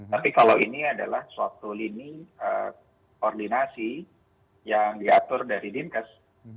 tapi kalau ini adalah suatu lini koordinasi yang diatur dari dinkes